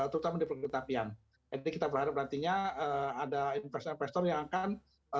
terutama di pergetapian ini kita berharap berantinya ada investor investor yang akan